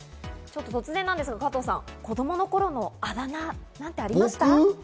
突然ですが加藤さん、子供の頃のあだ名なんてありましたか？